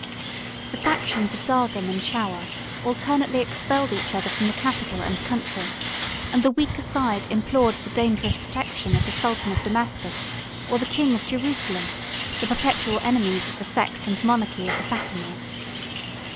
The factions of Dargham and Shawer alternately expelled each other from the capital and country; and the weaker side implored the dangerous protection of the sultan of Damascus, or the king of Jerusalem, the perpetual enemies of the sect and monarchy of the Fatimites.